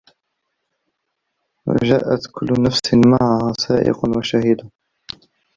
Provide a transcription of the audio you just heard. وَجاءَت كُلُّ نَفسٍ مَعَها سائِقٌ وَشَهيدٌ